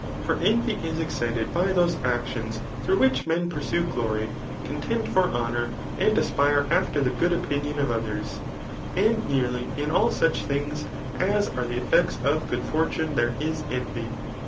For envy is excited by tho9t acdons through which men pursue glory, omteod for honour, and as|Hre after the good opinion of others And dearly, in all such things as are the effects of good fortune there is envy.